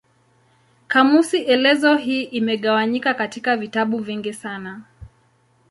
Kamusi elezo hii imegawanyika katika vitabu vingi sana.